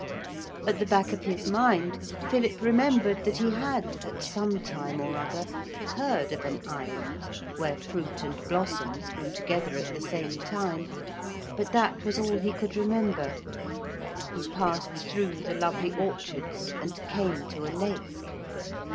At the back of his mind Philip remembered that he had, at some time or other, heard of an island where fruit and blossoms grew together at the same time, but that was all he could remember. He passed through the lovely orchards and came to a lake.